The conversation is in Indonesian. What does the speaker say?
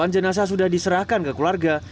delapan jenazah sudah diserahkan ke keluarga